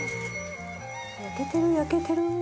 焼けてる焼けてる！